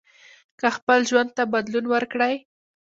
که خپل ژوند ته بدلون ورکړئ